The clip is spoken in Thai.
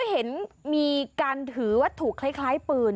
เห็นมีการถือวัตถุคล้ายปืน